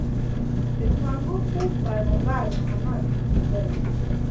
د خوږو خوږ پيغمبر محمد دي.